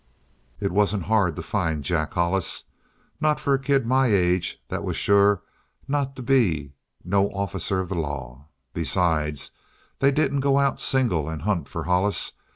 "It wasn't hard to find Jack Hollis. Not for a kid my age that was sure not to be no officer of the law. Besides, they didn't go out single and hunt for Hollis.